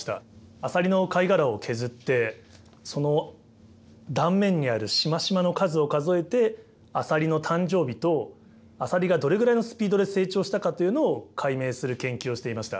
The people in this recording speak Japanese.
アサリの貝殻を削ってその断面にあるしましまの数を数えてアサリの誕生日とアサリがどれぐらいのスピードで成長したかというのを解明する研究をしていました。